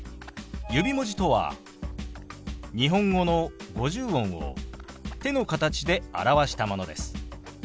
指文字とは日本語の五十音を手の形で表したものです。